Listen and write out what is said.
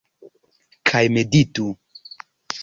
Kaj meditu.